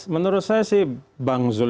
menurut saya sih bang zul